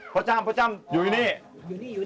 พ่อจ้ำได้อยู่ตรงนั้น